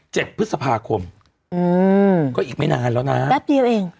พฤษภาคมอืมก็อีกไม่นานแล้วนะแป๊บเดียวเอง